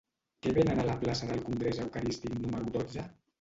Què venen a la plaça del Congrés Eucarístic número dotze?